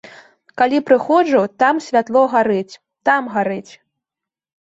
Калі прыходжу, там святло гарыць, там гарыць.